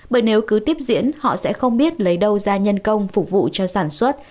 bởi nếu cứ tiếp diễn họ sẽ không biết lấy đâu ra nhân công phục vụ cho sản xuất